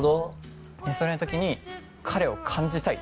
その時に彼を感じたい。